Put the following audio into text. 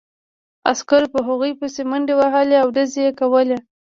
عسکرو په هغوی پسې منډې وهلې او ډزې یې کولې